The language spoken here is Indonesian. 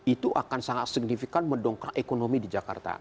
itu akan sangat signifikan mendongkrak ekonomi di jakarta